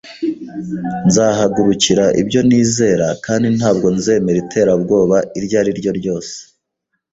Nzahagurukira ibyo nizera kandi ntabwo nzemera iterabwoba iryo ari ryo ryose